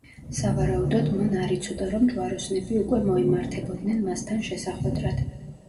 სავარაუდოდ, მან არ იცოდა, რომ ჯვაროსნები უკვე მოემართებოდნენ მასთან შესახვედრად.